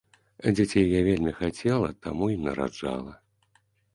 Дзяцей я вельмі хацела, таму і нараджала.